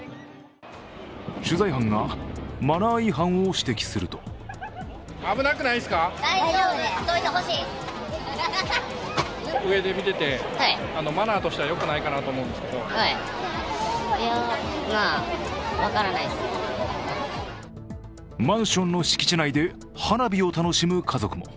取材班がマナー違反を指摘するとマンションの敷地内で花火を楽しむ家族も。